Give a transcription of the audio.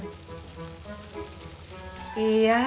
iya tadi ke pengajian